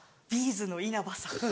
’ｚの稲葉さん。